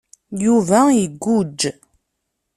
Yuba iguǧǧ.